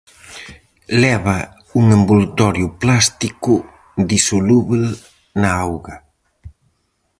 Leva un envoltorio plástico disolúbel na auga.